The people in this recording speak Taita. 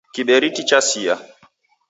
Kirebiti chasia.